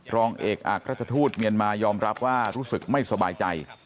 รองเอกอักราชทูตเมียนมายอมรับว่ารู้สึกไม่สบายใจ